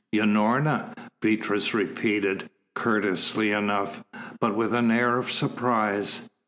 "Unorna?" Beatrice repeated, courteously enough, but with an air of surprise.